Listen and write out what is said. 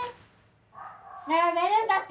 並べるんだって！